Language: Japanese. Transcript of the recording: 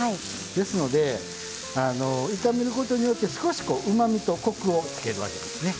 ですのであの炒めることによって少しこううまみとコクをつけるわけですね。